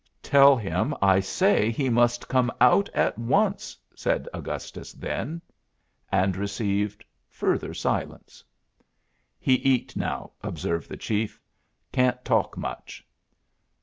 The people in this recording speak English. "Tell him I say he must come out at once," said Augustus then; and received further silence. "He eat now," observed the chief. "Can't talk much."